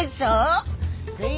はい。